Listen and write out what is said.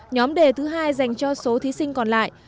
nhóm đề thứ hai dành cho số thí sinh còn lại